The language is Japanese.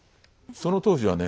その当時はね